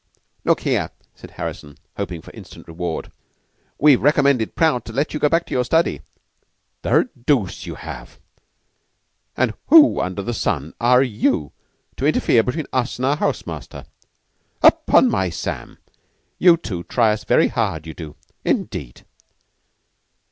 "Look here," said Harrison, hoping for instant reward. "We've recommended Prout to let you go back to your study." "The dooce you have! And who under the sun are you to interfere between us and our house master? Upon my Sam, you two try us very hard you do, indeed.